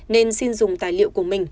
nên xin dùng tài liệu của mình